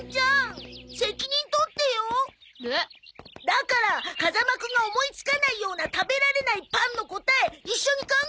だから風間くんが思いつかないような食べられないパンの答え一緒に考えてよ。